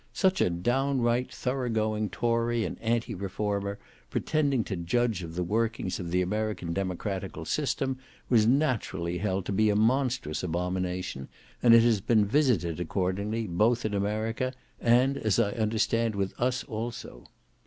Such a downright thorough going Tory and Anti reformer, pretending to judge of the workings of the American democratical system, was naturally held to be a monstrous abomination, and it has been visited accordingly, both in America, and as I understand, with us also.